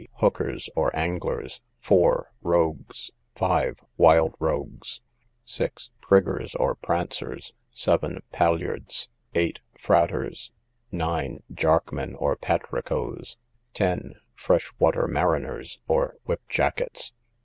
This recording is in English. Hookers, or Anglers. 4. Rogues. 5. Wild Rogues. 6. Priggers, or Prancers. 7. Pailliards. 8. Fraters. 9. Jarkmen, or Patricoes. 10. Fresh Water Mariner's or Whip Jackets.